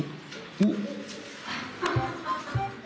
おっ！